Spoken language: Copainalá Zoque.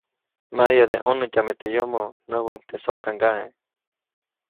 ‒Maʼyade ʼnonätyame teʼ yomoʼ-, näbuʼuŋ teʼ sokaŋgaʼe.